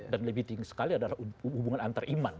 dan lebih tinggi sekali adalah hubungan antara iman